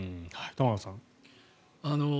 玉川さん。